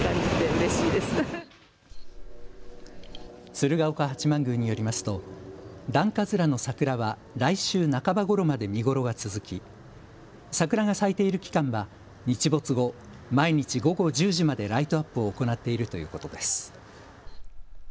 鶴岡八幡宮によりますと段葛の桜は来週半ばごろまで見頃が続き桜が咲いている期間は日没後、毎日午後１０時までライトアップを行っているということです。